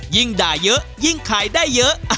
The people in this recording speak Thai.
ยิ่งด่าเยอะยิ่งขายได้เยอะ